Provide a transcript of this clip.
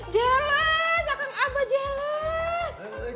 jelees akang abah jelees